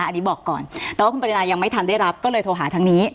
อันนี้บอกก่อนแต่ว่าคุณปรินายังไม่ทันได้รับก็เลยโทรหาทางนี้